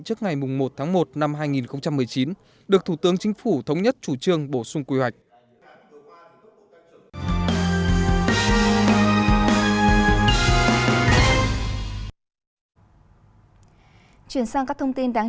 trước ngày một tháng một năm hai nghìn một mươi chín được thủ tướng chính phủ thống nhất chủ trương bổ sung quy hoạch